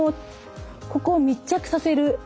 ここを密着させる。